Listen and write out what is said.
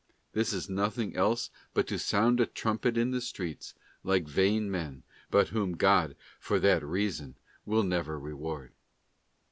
This is nothing else but to sound a trumpet in the streets, like vain men, but whom God for that reason will never reward.